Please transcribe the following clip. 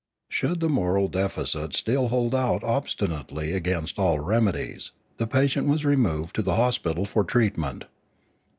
Should the moral defect still hold out obstinately against all remedies, the patient was removed to the hospital for treatment.